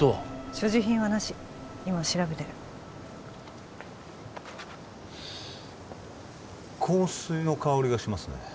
所持品はなし今調べてる香水の香りがしますね